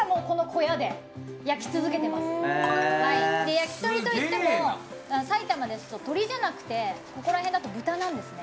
焼き鳥といっても埼玉ですと鶏じゃなくてここら辺だと豚なんですね。